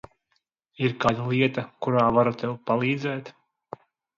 Ir kāda lieta, kurā varu tev palīdzēt?